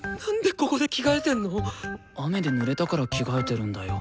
雨でぬれたから着替えてるんだよ。